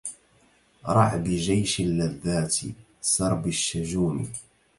رع بجيش اللذات سرب الشجون